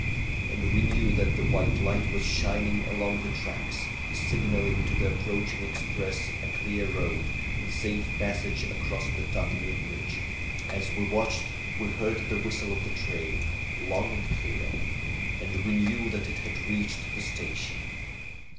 And w'e knew that the white light was shining along the tracks, signaling to the approaching express a clear road and safe passage across the Tuthmay bridge. As we watched we lieaTd the whistle of the train, long and clear. And we knew that it had reached the station.